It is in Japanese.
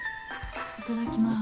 いただきます。